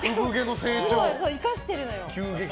生かしてるのよ。